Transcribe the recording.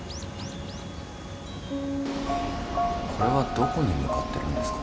これはどこに向かってるんですか？